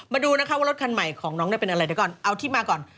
มาดูนะคะว่ารถคันใหม่ของน้องเนี่ยเป็นอะไรเดี๋ยวก่อนเอาที่มาก่อน